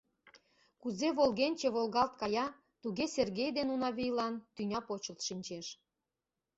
Кузе волгенче волгалт кая, туге Сергей ден Унавийлан тӱня почылт шинчеш.